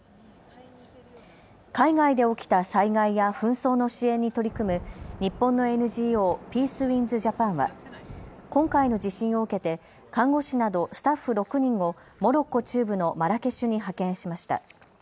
海外で起きた災害や紛争の支援に取り組む日本のＮＧＯピースウィンズ・ジャパンは今回の地震を受けて看護師などスタッフ６人をモロッコ中部のマラケシュに派遣しました。